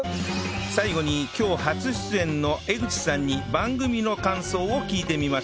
最後に今日初出演の江口さんに番組の感想を聞いてみました